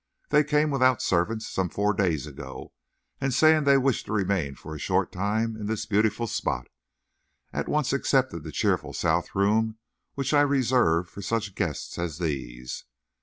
They came without servants some four days ago, and saying they wished to remain for a short time in this beautiful spot, at once accepted the cheerful south room which I reserve for such guests as these.